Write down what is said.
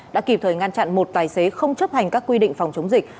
đã kịp thời ngăn chặn một tài xế không chấp hành các quy định phòng chống dịch